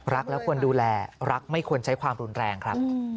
รักและควรดูแลรักไม่ควรใช้ความรุนแรงครับ